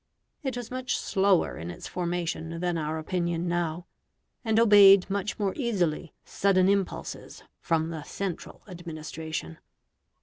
It was much slower in its formation than our opinion now, and obeyed much more easily sudden impulses from the central administration.